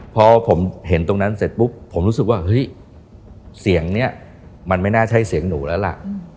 พอผมเห็นตรงนั้นเสร็จปุ๊บผมรู้สึกว่าเฮ้ยเสียงนี้มันไม่น่าใช่เสียงหนูแล้วล่ะ